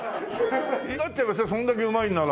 だってそれだけうまいんなら。